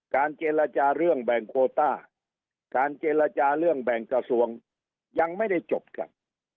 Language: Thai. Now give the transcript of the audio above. เจรจาเรื่องแบ่งโคต้าการเจรจาเรื่องแบ่งกระทรวงยังไม่ได้จบครับ